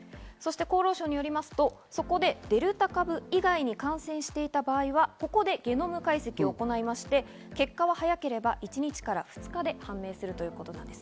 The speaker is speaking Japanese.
厚労省によりますと、そこでデルタ株以外に感染していた場合はここでゲノム解析を行いまして、結果は早ければ１日から２日で判明するということです。